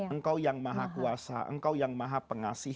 engkau yang maha kuasa engkau yang maha pengasih